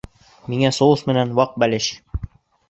Миңә соус менән ваҡ бәлеш